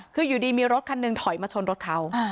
คืออยู่ดีมีรถคันหนึ่งถอยมาชนรถเขา